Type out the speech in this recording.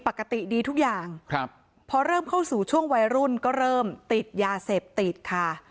ปกติดีทุกอย่างครับพอเริ่มเข้าสู่ช่วงวัยรุ่นก็เริ่มติดยาเสพติดค่ะ